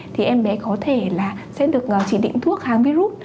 thì em bé có thể là sẽ được chỉ định thuốc kháng virus